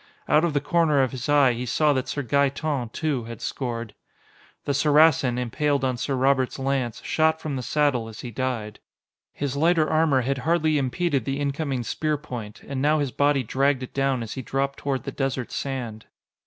Out of the corner of his eye, he saw that Sir Gaeton, too, had scored. The Saracen, impaled on Sir Robert's lance, shot from the saddle as he died. His lighter armor had hardly impeded the incoming spear point, and now his body dragged it down as he dropped toward the desert sand.